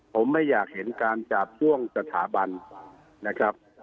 ผมไม่อยากเห็นการจาบจ้วงสถาบันนะครับ